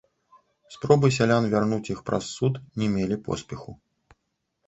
Спробы сялян вярнуць іх праз суд не мелі поспеху.